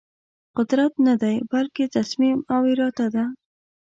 قدرت ندی بلکې تصمیم او اراده ده.